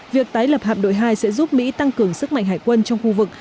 việc tái lập hạm đội hai sẽ giúp mỹ tăng cường sức mạnh hải quân trong khu vực